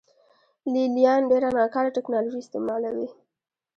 لې لیان ډېره ناکاره ټکنالوژي استعملوي